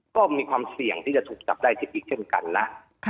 ก็มีความเสี่ยงที่จะถูกจับได้อีกเช่นกันนะ